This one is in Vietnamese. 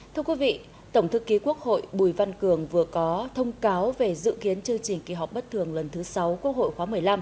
thưa quý vị tổng thư ký quốc hội bùi văn cường vừa có thông cáo về dự kiến chương trình kỳ họp bất thường lần thứ sáu quốc hội khóa một mươi năm